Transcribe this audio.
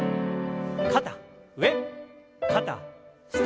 肩上肩下。